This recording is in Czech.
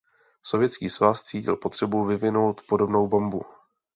Sovětský svaz cítil potřebu vyvinout podobnou bombu.